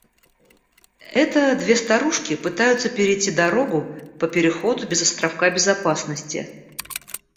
Это две старушки пытаются перейти дорогу по переходу без островка безопасности